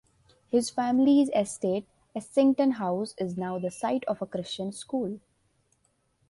His family's estate "Essington House" is now the site of a Christian school.